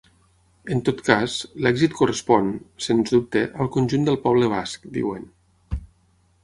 En tot cas, l’èxit correspon, sens dubte, al conjunt del poble basc, diuen.